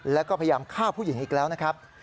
แล้วก็พยายามฆ่าผู้หญิงอีกแล้วนะครับ